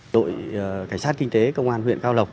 đội cảnh sát kinh tế công an huyện cao lộc